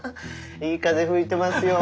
いい風吹いてますよ。